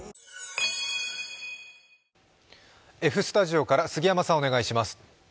Ｆスタジオから杉山さん、お願いします。